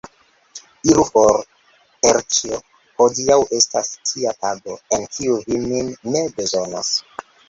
Iru for, Terĉjo, hodiaŭ estas tia tago, en kiu mi vin ne bezonas.